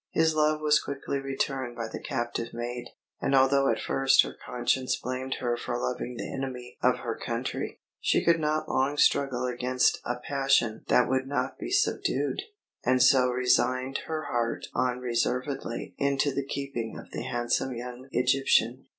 His love was quickly returned by the captive maid; and although at first her conscience blamed her for loving the enemy of her country, she could not long struggle against a passion that would not be subdued, and so resigned her heart unreservedly into the keeping of the handsome young Egyptian.